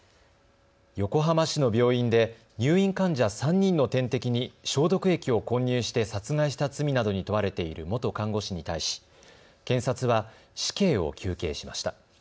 横浜市の病院で入院患者３人の点滴に消毒液を混入して殺害した罪などに問われている元看護師に対し検察は死刑を求刑しました。